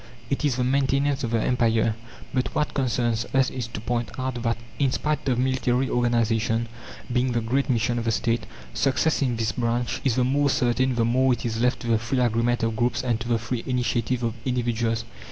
It is the maintenance of the Empire. But what concerns us, is to point out that, in spite of military organization being the "Great Mission of the State," success in this branch is the more certain the more it is left to the free agreement of groups and to the free initiative of individuals.